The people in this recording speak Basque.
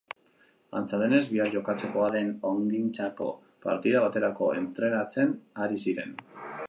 Antza denez, bihar jokatzekoa den ongintzako partida baterako entrenatzen ari ziren.